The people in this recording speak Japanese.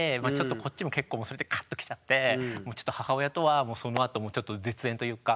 こっちも結構それでカッときちゃってちょっと母親とはそのあと絶縁というか